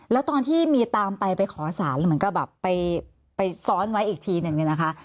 แล้วตอนที่มีตามไปขอสารเหมือนก็แบบไปซ้อนไว้อีกทีหนึ่งนะคะ